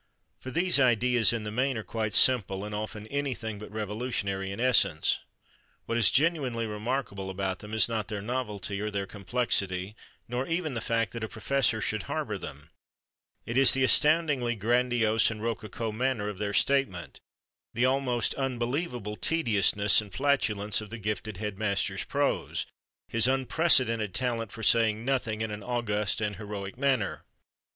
For those ideas, in the main, are quite simple, and often anything but revolutionary in essence. What is genuinely remarkable about them is not their novelty, or their complexity, nor even the fact that a professor should harbor them; it is the astoundingly grandiose and rococo manner of their statement, the almost unbelievable tediousness and flatulence of the gifted headmaster's prose, his unprecedented talent for saying nothing in an august and heroic manner.